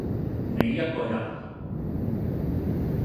你一個人，